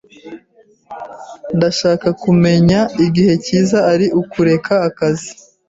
Ndashaka kumenya igihe cyiza ari ukureka akazi.